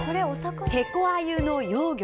ヘコアユの幼魚。